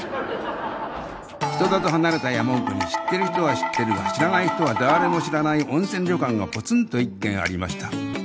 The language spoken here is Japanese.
人里離れた山奥に知ってる人は知ってるが知らない人はだーれも知らない温泉旅館がポツンと一軒ありました